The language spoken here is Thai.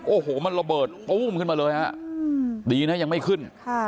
โอ้โหมันระเบิดตู้มขึ้นมาเลยฮะดีนะยังไม่ขึ้น